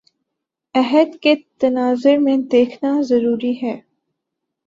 عہد کے تناظر میں دیکھنا ضروری ہے